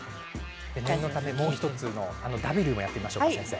念のためもう１つのＷもやってみましょう。